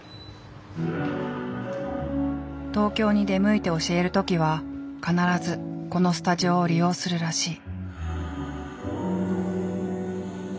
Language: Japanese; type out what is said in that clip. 東京に出向いて教える時は必ずこのスタジオを利用するらしい。